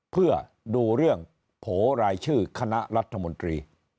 เพื่อดูเรื่องโผล่รายชื่อคณะรัฐมนตรี